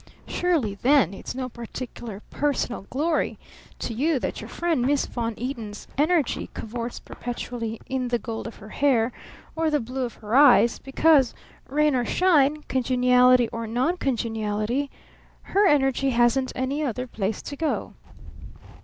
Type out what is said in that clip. Surely then it's no particular personal glory to you that your friend Miss Von Eaton's energy cavorts perpetually in the gold of her hair or the blue of her eyes, because rain or shine, congeniality or noncongeniality, her energy hasn't any other place to go.